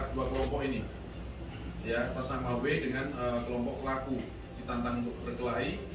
dua kelompok ini ya atas nama w dengan kelompok pelaku ditantang untuk berkelahi